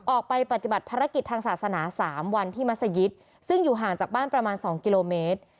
ออกไปปฏิบัติภารกิจทางศาสนา๓วันที่มัศยิตซึ่งอยู่ห่างจากบ้านประมาณ๒กิโลเมตร